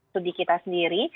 studi kita sendiri